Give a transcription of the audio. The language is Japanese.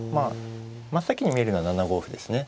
真っ先に見えるのは７五歩ですね。